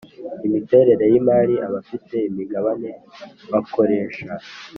imiterere y imari abafite imigabane bakoresha